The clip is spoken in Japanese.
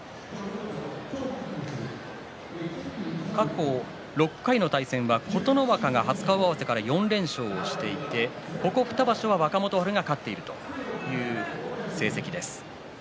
過去６回の対戦は琴ノ若が初顔合わせから４連勝していてここ２場所は若元春が勝っているという成績です。